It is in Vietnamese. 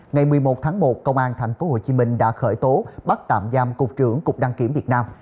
ngày một mươi một tháng một công an tp hcm đã khởi tố bắt tạm giam cục trưởng cục đăng kiểm việt nam